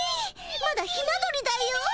まだヒナ鳥だよ。